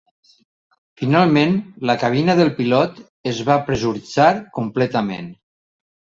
Finalment, la cabina del pilot es va pressuritzar completament.